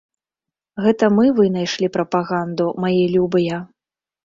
Гэта мы вынайшлі прапаганду, мае любыя!